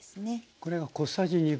これが小さじ1/2。